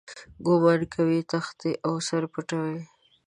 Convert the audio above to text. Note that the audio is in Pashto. ګومان کوي تښتي او سر پټوي.